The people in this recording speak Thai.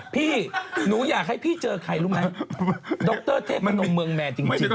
พี่หนูอยากให้พี่เจอใครรู้ไหมดรเทพนมเมืองแมนจริง